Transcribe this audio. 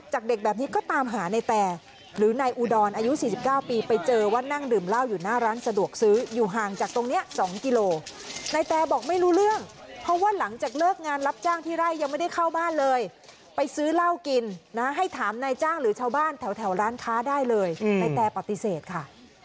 หน้าร้านสะดวกซื้ออยู่ห่างจากตรงนี้๒กิโลเมตรในแต่บอกไม่รู้เรื่องเพราะว่าหลังจากเลิกงานรับจ้างที่ไร่ยังไม่ได้เข้าบ้านเลยไปซื้อเหล้ากินนะให้ถามในจ้างหรือชาวบ้านแถวร้านค้าได้เลยในแต่ปฏิเสธค่ะ